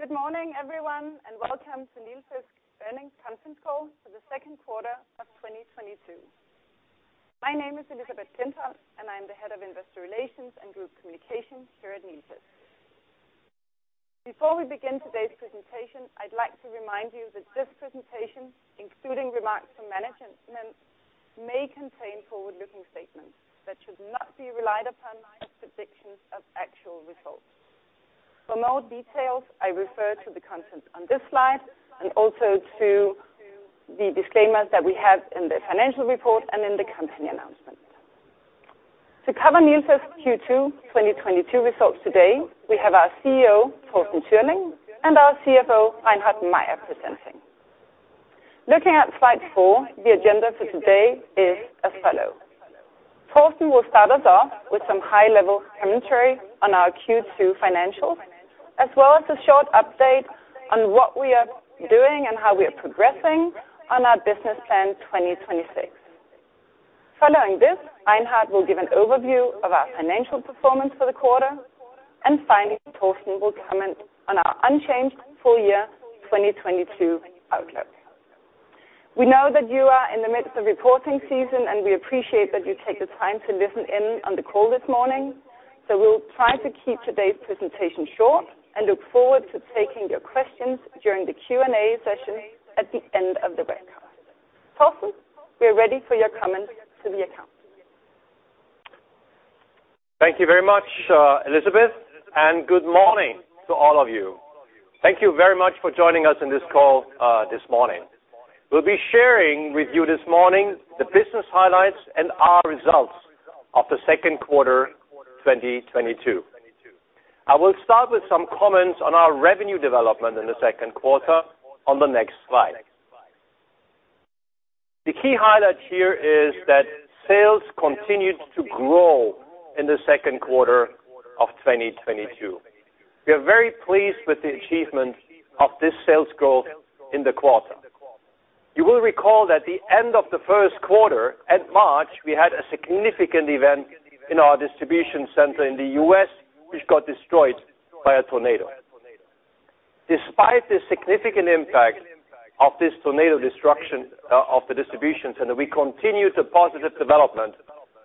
Good morning, everyone, and welcome to Nilfisk Earnings Conference Call for the second quarter of 2022. My name is Elisabeth Klintholm, and I'm the Head of Investor Relations and Group Communication here at Nilfisk. Before we begin today's presentation, I'd like to remind you that this presentation, including remarks from management, may contain forward-looking statements that should not be relied upon as predictions of actual results. For more details, I refer to the content on this slide and also to the disclaimers that we have in the financial report and in the company announcement. To cover Nilfisk Q2 2022 results today, we have our CEO, Torsten Türling, and our CFO, Reinhard Mayer, presenting. Looking at slide four, the agenda for today is as follows. Torsten Türling will start us off with some high-level commentary on our Q2 financials, as well as a short update on what we are doing and how we are progressing on our Business Plan 2026. Following this, Reinhard Mayer will give an overview of our financial performance for the quarter, and finally, Torsten Türling will comment on our unchanged full-year 2022 outlook. We know that you are in the midst of reporting season, and we appreciate that you take the time to listen in on the call this morning. We'll try to keep today's presentation short and look forward to taking your questions during the Q&A session at the end of the webcast. Torsten Türling, we are ready for your comments to the account. Thank you very much, Elisabeth, and good morning to all of you. Thank you very much for joining us in this call this morning. We'll be sharing with you this morning the business highlights and our results of the second quarter 2022. I will start with some comments on our revenue development in the second quarter on the next slide. The key highlight here is that sales continued to grow in the second quarter of 2022. We are very pleased with the achievement of this sales growth in the quarter. You will recall that at the end of the first quarter, in March, we had a significant event in our distribution center in the U.S., which got destroyed by a tornado. Despite the significant impact of this tornado destruction of the distribution center, we continued the positive development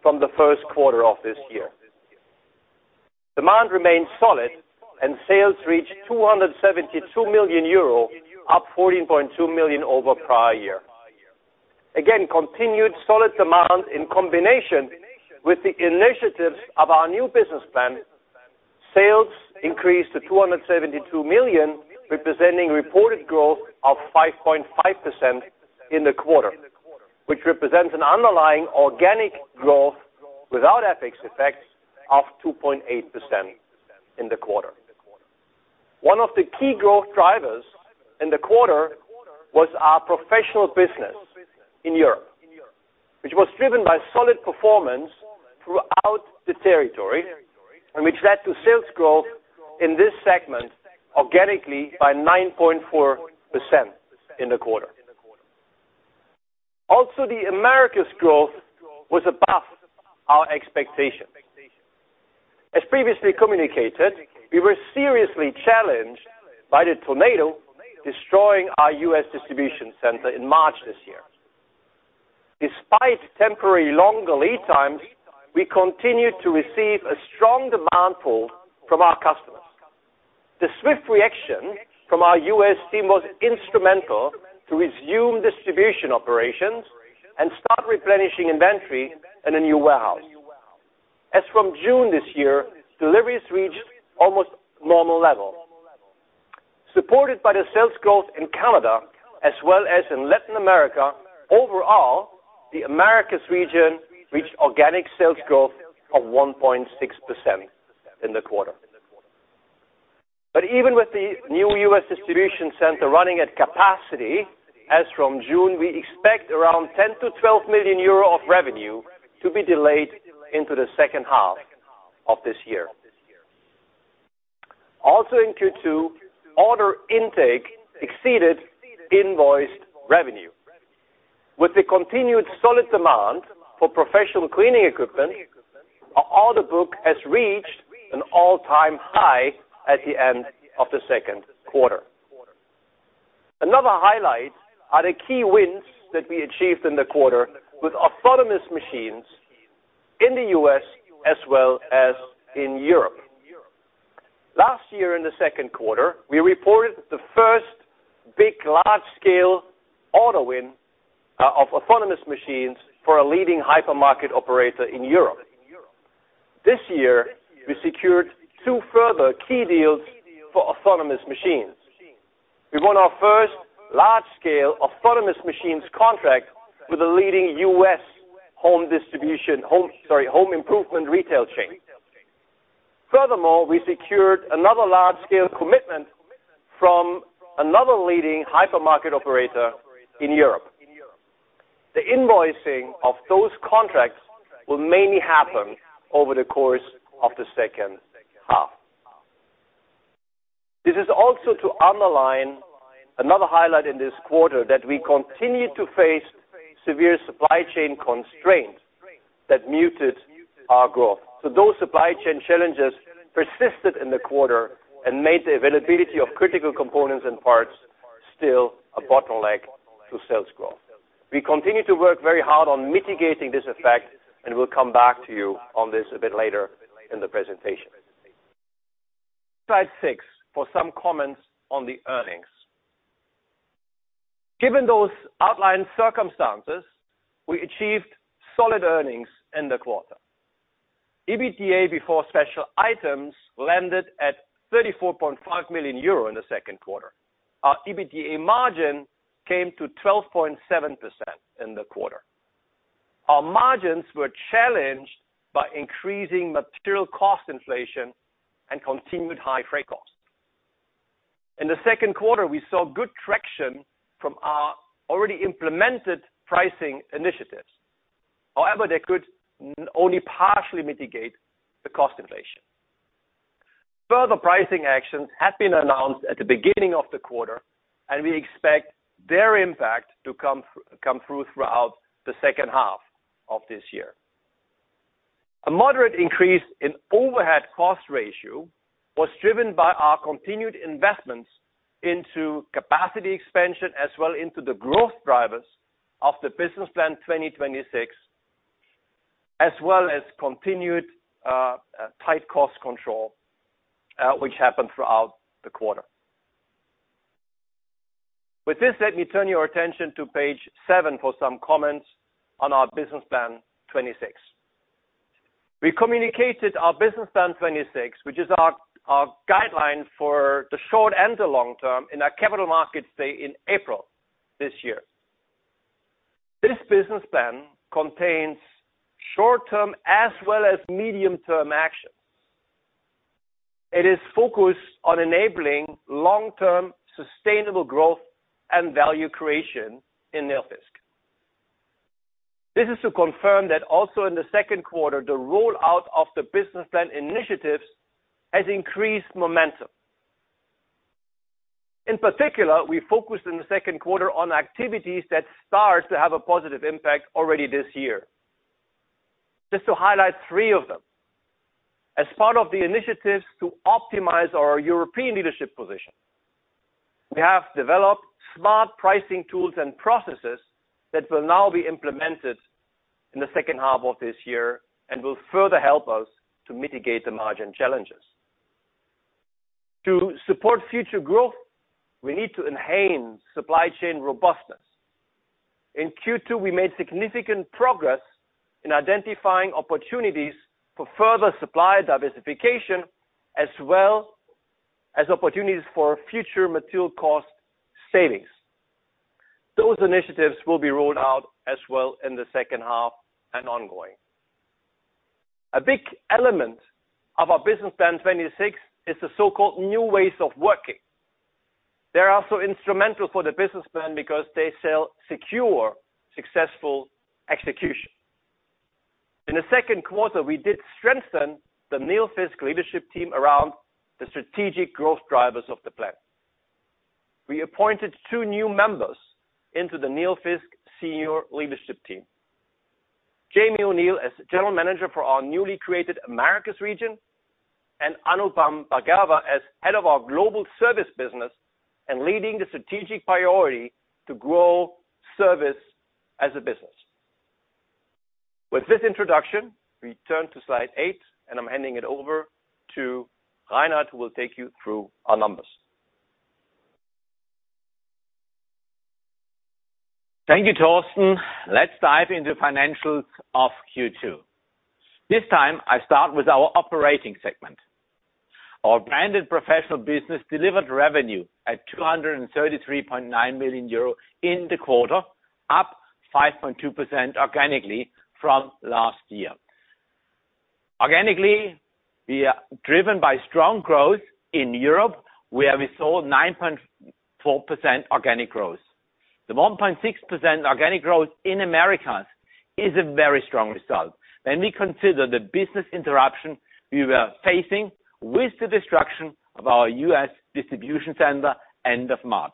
from the first quarter of this year. Demand remained solid, and sales reached 272 million euro, up 14.2 million over prior year. Again, continued solid demand in combination with the initiatives of our new business plan, sales increased to 272 million, representing reported growth of 5.5% in the quarter, which represents an underlying organic growth without FX effects of 2.8% in the quarter. One of the key growth drivers in the quarter was our professional business in Europe, which was driven by solid performance throughout the territory and which led to sales growth in this segment organically by 9.4% in the quarter. Also, the Americas growth was above our expectations. As previously communicated, we were seriously challenged by the tornado destroying our U.S. distribution center in March this year. Despite temporary longer lead times, we continued to receive a strong demand pull from our customers. The swift reaction from our U.S. team was instrumental to resume distribution operations and start replenishing inventory in a new warehouse. As from June this year, deliveries reached almost normal levels. Supported by the sales growth in Canada as well as in Latin America, overall, the Americas region reached organic sales growth of 1.6% in the quarter. Even with the new U.S. distribution center running at capacity as from June, we expect around 10 million-12 million euro of revenue to be delayed into the second half of this year. Also, in Q2, order intake exceeded invoiced revenue. With the continued solid demand for professional cleaning equipment, our order book has reached an all-time high at the end of the second quarter. Another highlight are the key wins that we achieved in the quarter with autonomous machines in the U.S. as well as in Europe. Last year, in the second quarter, we reported the first big, large-scale order win of autonomous machines for a leading hypermarket operator in Europe. This year, we secured two further key deals for autonomous machines. We won our first large-scale autonomous machines contract with a leading US home improvement retail chain. Furthermore, we secured another large-scale commitment from another leading hypermarket operator in Europe. The invoicing of those contracts will mainly happen over the course of the second half. This is also to underline another highlight in this quarter that we continued to face severe supply chain constraints that muted our growth. Those supply chain challenges persisted in the quarter and made the availability of critical components and parts still a bottleneck to sales growth. We continue to work very hard on mitigating this effect, and we'll come back to you on this a bit later in the presentation. Slide six for some comments on the earnings. Given those outlined circumstances, we achieved solid earnings in the quarter. EBITDA before special items landed at 34.5 million euro in the second quarter. Our EBITDA margin came to 12.7% in the quarter. Our margins were challenged by increasing material cost inflation and continued high freight costs. In the second quarter, we saw good traction from our already implemented pricing initiatives. However, they could only partially mitigate the cost inflation. Further pricing actions had been announced at the beginning of the quarter, and we expect their impact to come through throughout the second half of this year. A moderate increase in overhead cost ratio was driven by our continued investments into capacity expansion as well as into the growth drivers of the Business Plan 2026, as well as continued tight cost control, which happened throughout the quarter. With this, let me turn your attention to page seven for some comments on our Business Plan 2026. We communicated our Business Plan 2026, which is our guideline for the short and the long term, in our capital markets day in April this year. This business plan contains short-term as well as medium-term actions. It is focused on enabling long-term sustainable growth and value creation in Nilfisk. This is to confirm that also in the second quarter, the rollout of the business plan initiatives has increased momentum. In particular, we focused in the second quarter on activities that start to have a positive impact already this year. Just to highlight three of them. As part of the initiatives to optimize our European leadership position, we have developed smart pricing tools and processes that will now be implemented in the second half of this year and will further help us to mitigate the margin challenges. To support future growth, we need to enhance supply chain robustness. In Q2, we made significant progress in identifying opportunities for further supply diversification as well as opportunities for future material cost savings. Those initiatives will be rolled out as well in the second half and ongoing. A big element of our Business Plan 2026 is the so-called new ways of working. They are also instrumental for the business plan because they shall secure successful execution. In the second quarter, we did strengthen the Nilfisk leadership team around the strategic growth drivers of the plan. We appointed two new members into the Nilfisk senior leadership team: Jamie O'Neill as general manager for our newly created Americas region and Anupam Bhargava as head of our global service business and leading the strategic priority to grow service as a business. With this introduction, we turn to slide eight, and I'm handing it over to Reinhard, who will take you through our numbers. Thank you, Torsten. Let's dive into financials of Q2. This time, I start with our operating segment. Our branded professional business delivered revenue at 233.9 million euro in the quarter, up 5.2% organically from last year. Organically, we are driven by strong growth in Europe, where we saw 9.4% organic growth. The 1.6% organic growth in Americas is a very strong result when we consider the business interruption we were facing with the destruction of our U.S. distribution center end of March.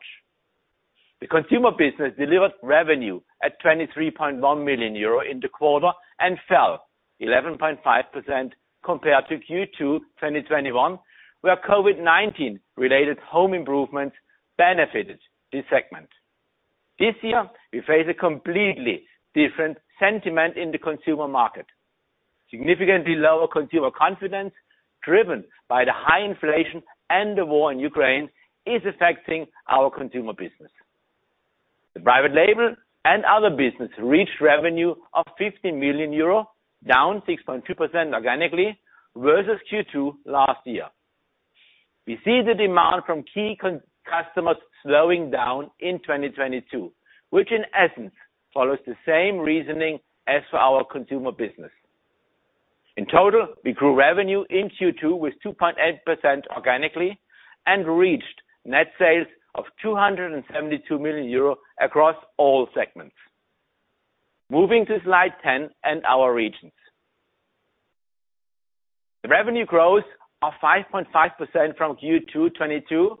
The consumer business delivered revenue at 23.1 million euro in the quarter and fell 11.5% compared to Q2 2021, where COVID-19-related home improvements benefited this segment. This year, we face a completely different sentiment in the consumer market. Significantly lower consumer confidence driven by the high inflation and the war in Ukraine is affecting our consumer business. The private label and other business reached revenue of 50 million euro, down 6.2% organically versus Q2 last year. We see the demand from key customers slowing down in 2022, which in essence follows the same reasoning as for our consumer business. In total, we grew revenue in Q2 with 2.8% organically and reached net sales of 272 million euro across all segments. Moving to slide 10 and our regions. The revenue growth of 5.5% from Q2 2022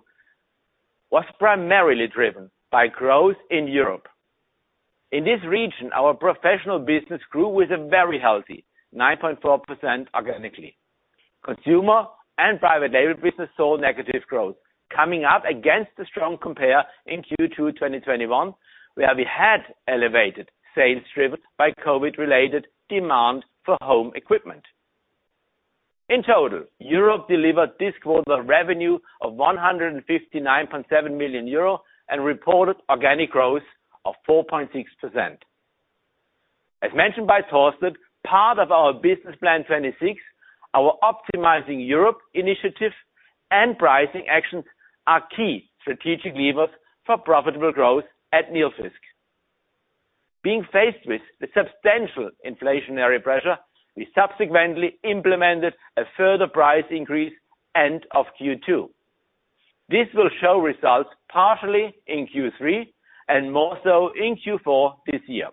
was primarily driven by growth in Europe. In this region, our professional business grew with a very healthy 9.4% organically. Consumer and private label business saw negative growth, coming up against the strong comp in Q2 2021, where we had elevated sales driven by COVID-related demand for home equipment. In total, Europe delivered this quarter revenue of 159.7 million euro and reported organic growth of 4.6%. As mentioned by Torsten, part of our Business Plan 2026, our optimizing Europe initiative and pricing actions are key strategic levers for profitable growth at Nilfisk. Being faced with the substantial inflationary pressure, we subsequently implemented a further price increase end of Q2. This will show results partially in Q3 and more so in Q4 this year.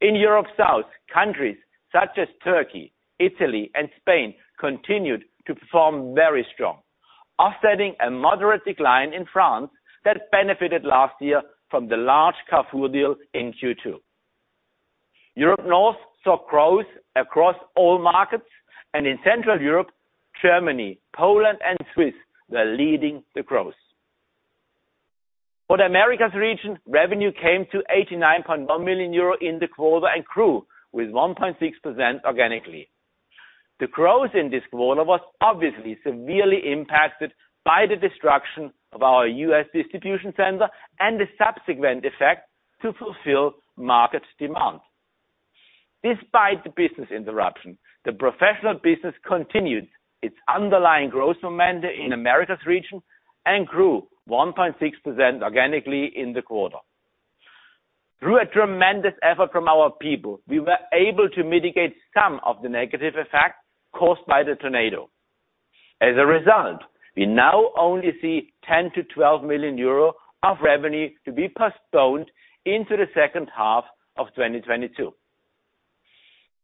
In Europe South, countries such as Turkey, Italy, and Spain continued to perform very strong, offsetting a moderate decline in France that benefited last year from the large Carrefour deal in Q2. Europe North saw growth across all markets, and in Central Europe, Germany, Poland, and Switzerland were leading the growth. For the Americas region, revenue came to 89.1 million euro in the quarter and grew with 1.6% organically. The growth in this quarter was obviously severely impacted by the destruction of our U.S. distribution center and the subsequent effect to fulfill market demand. Despite the business interruption, the professional business continued its underlying growth momentum in Americas region and grew 1.6% organically in the quarter. Through a tremendous effort from our people, we were able to mitigate some of the negative effects caused by the tornado. As a result, we now only see 10 million-12 million euro of revenue to be postponed into the second half of 2022.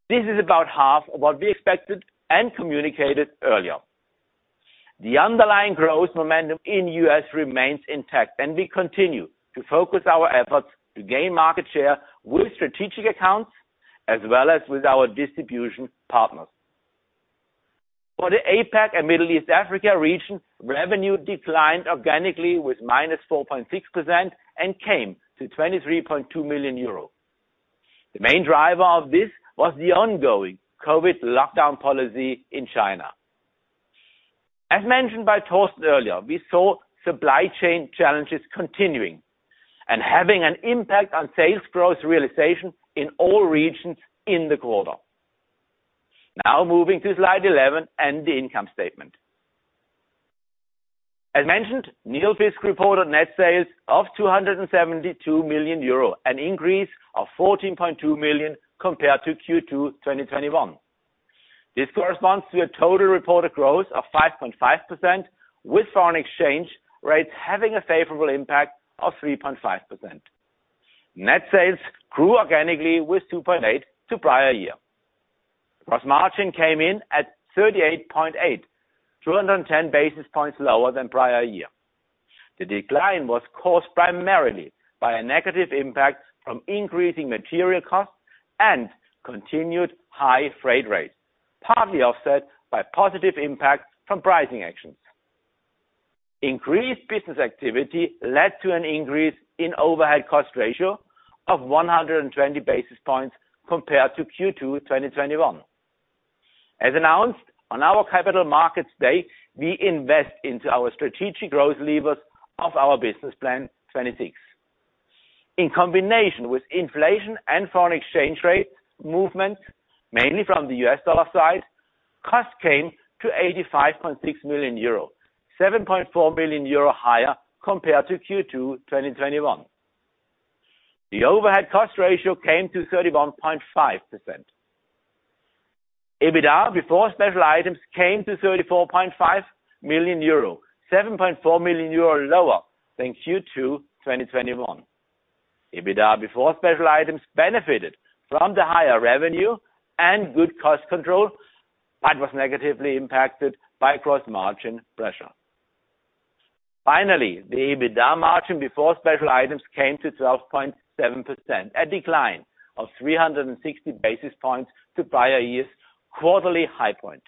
This is about half of what we expected and communicated earlier. The underlying growth momentum in U.S. remains intact, and we continue to focus our efforts to gain market share with strategic accounts as well as with our distribution partners. For the APAC and Middle East Africa region, revenue declined organically with -4.6% and came to €23.2 million. The main driver of this was the ongoing COVID lockdown policy in China. As mentioned by Torsten earlier, we saw supply chain challenges continuing and having an impact on sales growth realization in all regions in the quarter. Now moving to slide 11 and the income statement. As mentioned, Nilfisk reported net sales of €272 million, an increase of €14.2 million compared to Q2 2021. This corresponds to a total reported growth of 5.5% with foreign exchange rates having a favorable impact of 3.5%. Net sales grew organically with 2.8% to prior year. Gross margin came in at 38.8%, 210 basis points lower than prior year. The decline was caused primarily by a negative impact from increasing material costs and continued high freight rates, partly offset by positive impact from pricing actions. Increased business activity led to an increase in overhead cost ratio of 120 basis points compared to Q2 2021. As announced on our capital markets day, we invest into our strategic growth levers of our Business Plan 2026. In combination with inflation and foreign exchange rates movements, mainly from the US dollar side, cost came to 85.6 million euros, 7.4 million euro higher compared to Q2 2021. The overhead cost ratio came to 31.5%. EBITDA before special items came to 34.5 million euro, 7.4 million euro lower than Q2 2021. EBITDA before special items benefited from the higher revenue and good cost control but was negatively impacted by gross margin pressure. Finally, the EBITDA margin before special items came to 12.7%, a decline of 360 basis points to prior year's quarterly high point.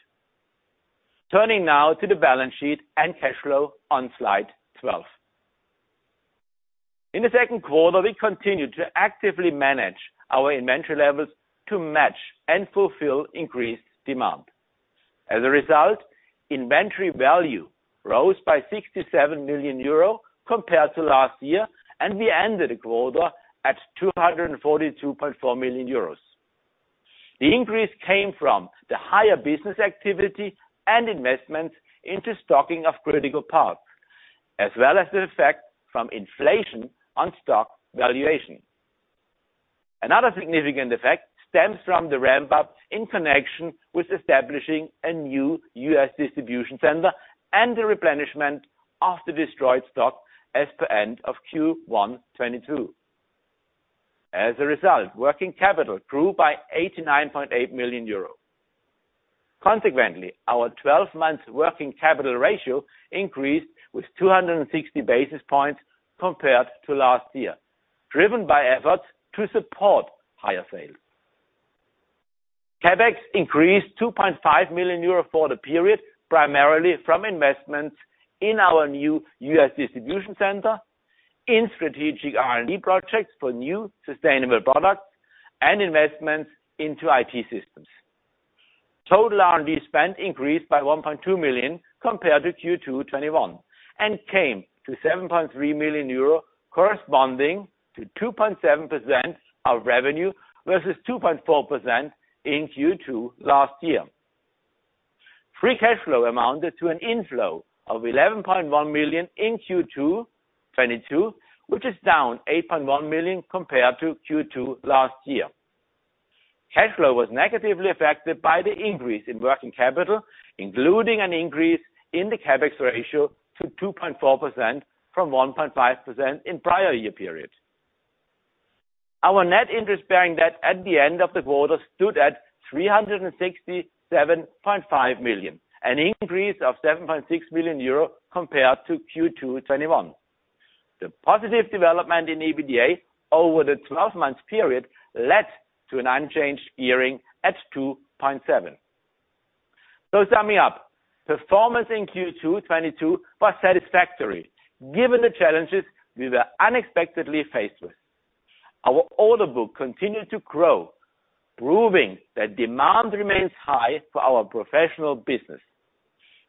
Turning now to the balance sheet and cash flow on slide 12. In the second quarter, we continued to actively manage our inventory levels to match and fulfill increased demand. As a result, inventory value rose by 67 million euro compared to last year, and we ended the quarter at 242.4 million euros. The increase came from the higher business activity and investments into stocking of critical parts as well as the effect from inflation on stock valuation. Another significant effect stems from the ramp-up in connection with establishing a new U.S. distribution center and the replenishment of the destroyed stock as per end of Q1 2022. As a result, working capital grew by 89.8 million euros. Consequently, our 12-month working capital ratio increased with 260 basis points compared to last year, driven by efforts to support higher sales. CAPEX increased 2.5 million euro for the period primarily from investments in our new U.S. distribution center, in strategic R&D projects for new sustainable products, and investments into IT systems. Total R&D spend increased by 1.2 million compared to Q2 2021 and came to 7.3 million euro, corresponding to 2.7% of revenue versus 2.4% in Q2 last year. Free cash flow amounted to an inflow of 11.1 million in Q2 2022, which is down 8.1 million compared to Q2 last year. Cash flow was negatively affected by the increase in working capital, including an increase in the CAPEX ratio to 2.4% from 1.5% in the prior year period. Our net interest bearing debt at the end of the quarter stood at €367.5 million, an increase of €7.6 million compared to Q2 2021. The positive development in EBITDA over the 12-month period led to an unchanged gearing at 2.7%. Summing up, performance in Q2 2022 was satisfactory given the challenges we were unexpectedly faced with. Our order book continued to grow, proving that demand remains high for our professional business.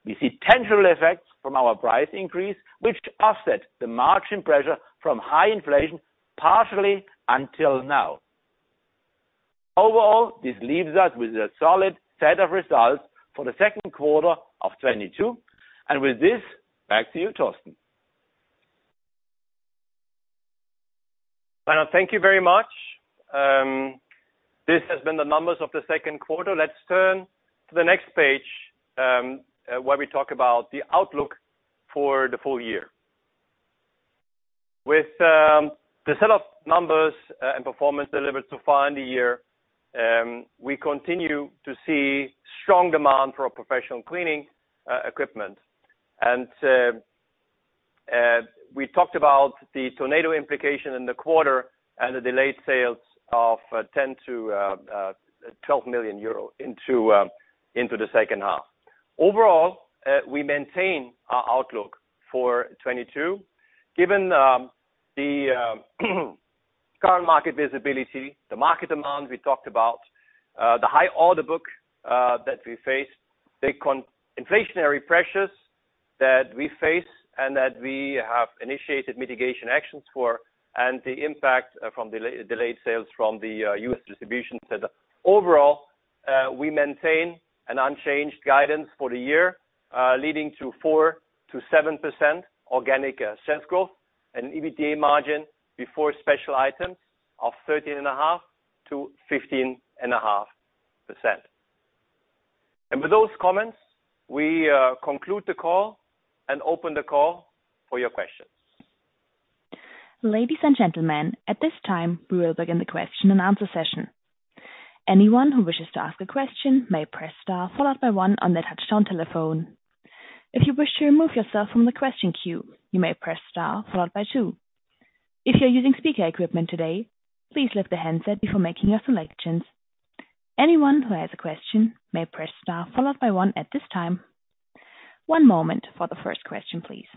We see tangible effects from our price increase, which offset the margin pressure from high inflation partially until now. Overall, this leaves us with a solid set of results for the second quarter of 2022. With this, back to you, Torsten. Reinhard, thank you very much. This has been the numbers of the second quarter. Let's turn to the next page where we talk about the outlook for the full year. With the set of numbers and performance delivered for the year, we continue to see strong demand for professional cleaning equipment. We talked about the tornado implication in the quarter and the delayed sales of 10 million-12 million euro into the second half. Overall, we maintain our outlook for 2022 given the current market visibility, the market amount we talked about, the high order book that we faced, the inflationary pressures that we face and that we have initiated mitigation actions for, and the impact from delayed sales from the U.S. distribution center. Overall, we maintain an unchanged guidance for the year, leading to 4%-7% organic sales growth and EBITDA margin before special items of 13.5%-15.5%. With those comments, we conclude the call and open the call for your questions. Ladies and gentlemen, at this time, we will begin the question and answer session. Anyone who wishes to ask a question may press star, followed by one on their touch-tone telephone. If you wish to remove yourself from the question queue, you may press star, followed by two. If you're using speaker equipment today, please lift the handset before making your selections. Anyone who has a question may press star, followed by one at this time. One moment for the first question, please.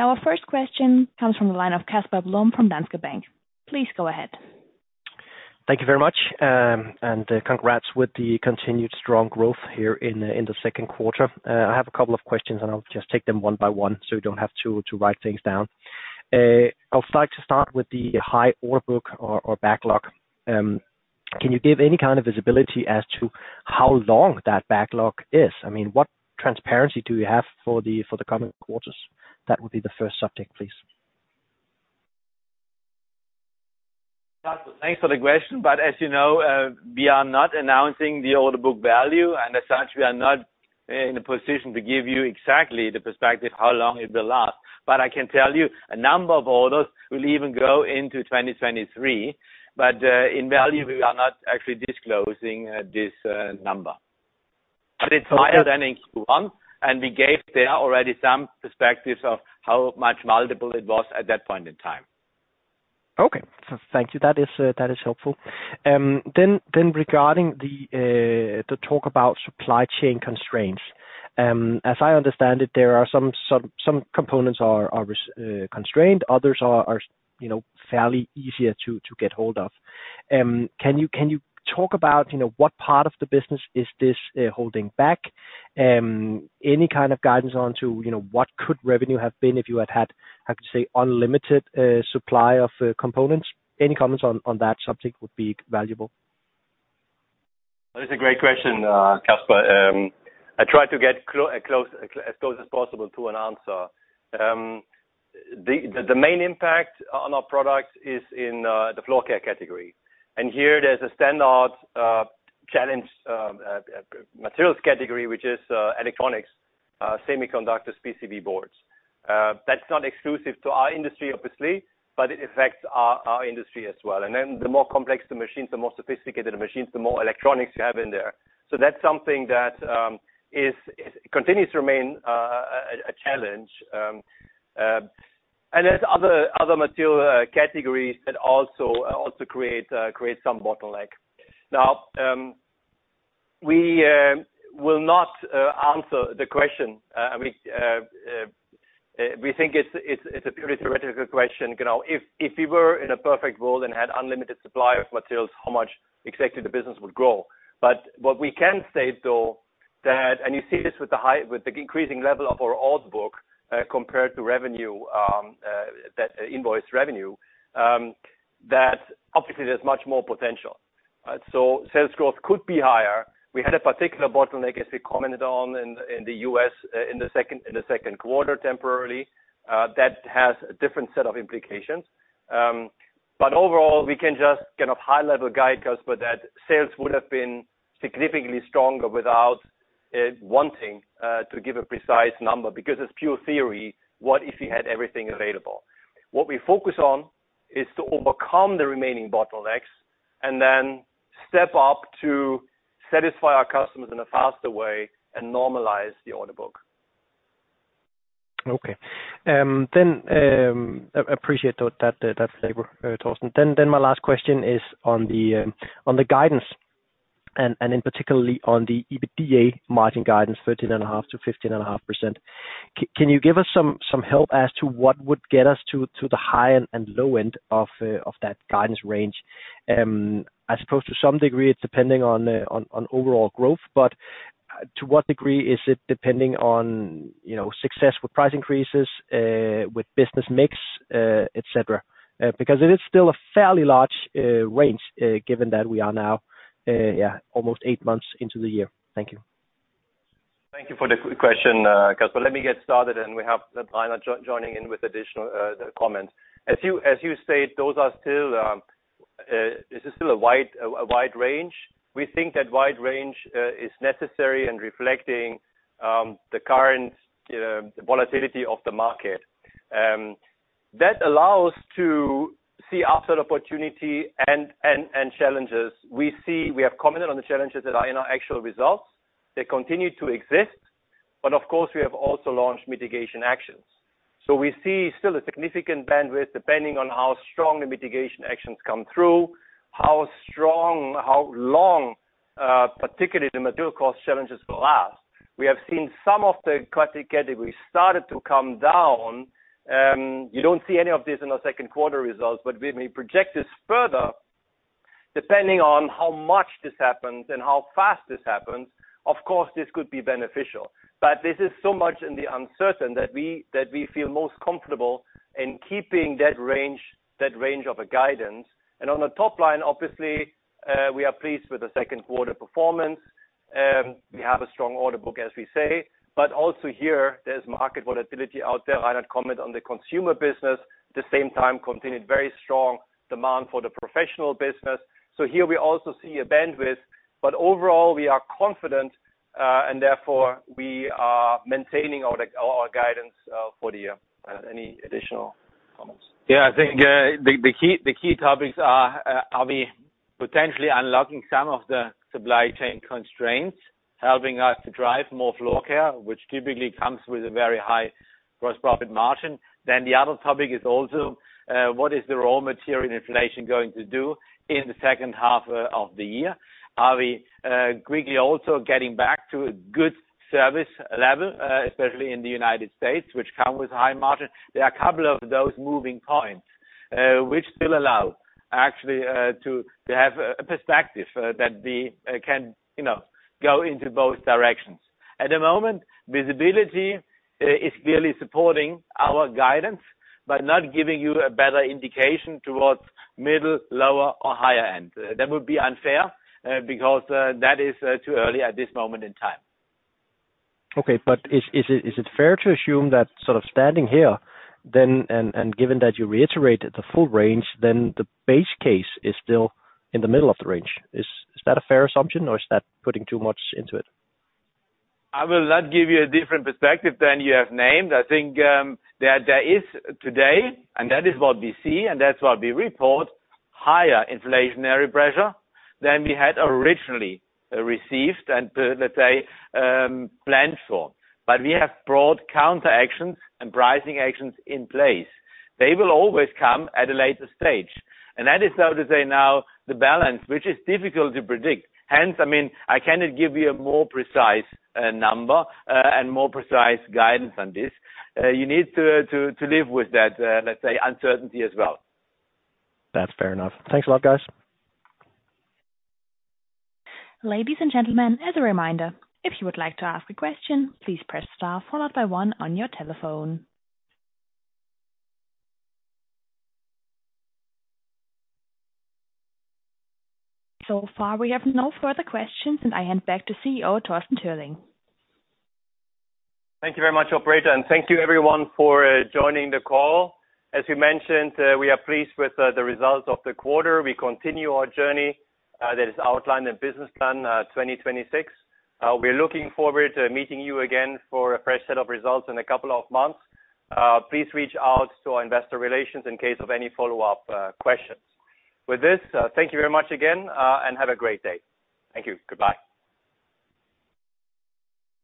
Our first question comes from the line of Kasper Blom from Danske Bank. Please go ahead. Thank you very much. Congrats with the continued strong growth here in the second quarter. I have a couple of questions, and I'll just take them one by one so you don't have to write things down. I'd like to start with the high order book or backlog. Can you give any kind of visibility as to how long that backlog is? I mean, what transparency do you have for the coming quarters? That would be the first subject, please. Thanks for the question. As you know, we are not announcing the order book value. As such, we are not in a position to give you exactly the perspective how long it will last. I can tell you a number of orders will even go into 2023. In value, we are not actually disclosing this number. It's higher than in Q1, and we gave there already some perspectives of how much multiple it was at that point in time. Okay. Thank you. That is helpful. Regarding the talk about supply chain constraints, as I understand it, there are some components that are constrained. Others are fairly easier to get hold of. Can you talk about what part of the business is this holding back? Any kind of guidance on what could revenue have been if you had had, I could say, unlimited supply of components? Any comments on that subject would be valuable. That is a great question, Kasper. I try to get as close as possible to an answer. The main impact on our products is in the floor care category. Here, there's a standard challenge in the materials category, which is electronics, semiconductors, PCB boards. That's not exclusive to our industry, obviously, but it affects our industry as well. Then the more complex the machines, the more sophisticated the machines, the more electronics you have in there. That's something that continues to remain a challenge. There's other material categories that also create some bottleneck. Now, we will not answer the question. We think it's a purely theoretical question. If we were in a perfect world and had unlimited supply of materials, how much exactly the business would grow? What we can state, though, that and you see this with the increasing level of our order book compared to revenue, that invoice revenue, that obviously, there's much more potential. Sales growth could be higher. We had a particular bottleneck, as we commented on, in the U.S. in the second quarter temporarily. That has a different set of implications. Overall, we can just kind of high-level guide, Kasper, that sales would have been significantly stronger without wanting to give a precise number because it's pure theory. What if you had everything available? What we focus on is to overcome the remaining bottlenecks and then step up to satisfy our customers in a faster way and normalize the order book. Okay. I appreciate that flavor, Torsten. My last question is on the guidance and in particular on the EBITDA margin guidance, 13.5%-15.5%. Can you give us some help as to what would get us to the high and low end of that guidance range? I suppose to some degree, it's depending on overall growth. But to what degree is it depending on success with price increases, with business mix, etc.? Because it is still a fairly large range given that we are now, yeah, almost eight months into the year. Thank you. Thank you for the question, Kasper. Let me get started. We have Reinhard joining in with additional comments. As you state, this is still a wide range. We think that wide range is necessary and reflecting the current volatility of the market. That allows us to see upside opportunity and challenges. We have commented on the challenges that are in our actual results. They continue to exist. Of course, we have also launched mitigation actions. We see still a significant bandwidth depending on how strong the mitigation actions come through, how strong, how long, particularly the material cost challenges will last. We have seen some of the critical categories started to come down. You don't see any of this in our second quarter results. If we project this further, depending on how much this happens and how fast this happens, of course, this could be beneficial. This is so much in the uncertain that we feel most comfortable in keeping that range of a guidance. On the top line, obviously, we are pleased with the second quarter performance. We have a strong order book, as we say. Also here, there's market volatility out there. Reinhard commented on the consumer business. At the same time, continued very strong demand for the professional business. Here, we also see a bandwidth. Overall, we are confident. Therefore, we are maintaining our guidance for the year. Any additional comments? Yeah. I think the key topics are. Are we potentially unlocking some of the supply chain constraints, helping us to drive more floor care, which typically comes with a very high gross profit margin? Then the other topic is also. What is the raw material inflation going to do in the second half of the year? Are we quickly also getting back to a good service level, especially in the United States, which come with high margin? There are a couple of those moving parts, which still allow actually to have a perspective that we can go into both directions. At the moment, visibility is clearly supporting our guidance but not giving you a better indication towards middle, lower, or higher end. That would be unfair because that is too early at this moment in time. Okay. Is it fair to assume that sort of standing here then and given that you reiterated the full range, then the base case is still in the middle of the range? Is that a fair assumption, or is that putting too much into it? I will not give you a different perspective than you have named. I think there is today, and that is what we see, and that's what we report, higher inflationary pressure than we had originally received and, let's say, planned for. We have brought counteractions and pricing actions in place. They will always come at a later stage. That is, so to say, now the balance, which is difficult to predict. Hence, I mean, I cannot give you a more precise number and more precise guidance on this. You need to live with that, let's say, uncertainty as well. That's fair enough. Thanks a lot, guys. Ladies and gentlemen, as a reminder, if you would like to ask a question, please press star, followed by one, on your telephone. So far, we have no further questions. I hand back to CEO Torsten Türling. Thank you very much, Operator. Thank you, everyone, for joining the call. As we mentioned, we are pleased with the results of the quarter. We continue our journey that is outlined in Business Plan 2026. We're looking forward to meeting you again for a fresh set of results in a couple of months. Please reach out to our investor relations in case of any follow-up questions. With this, thank you very much again and have a great day. Thank you. Goodbye.